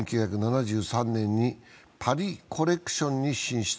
１９７３年にパリ・コレクションに進出